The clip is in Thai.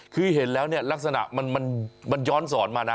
คือเห็นแล้วเนี่ยลักษณะมันย้อนสอนมานะ